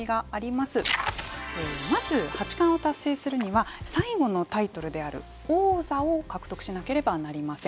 まず八冠を達成するには最後のタイトルである王座を獲得しなければなりません。